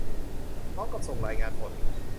พร้อมกับส่งรายงานผล